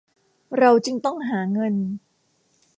เราจึงต้องหาเงิน